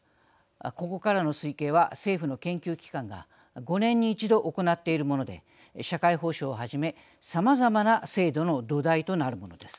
ここからの推計は政府の研究機関が５年に１度、行っているもので社会保障をはじめさまざまな制度の土台となるものです。